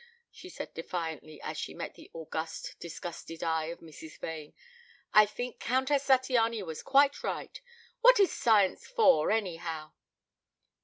she said defiantly as she met the august disgusted eye of Mrs. Vane. "I think Countess Zattiany was quite right. What is science for, anyhow?"